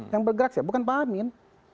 yang bergerak ya bukan pak amin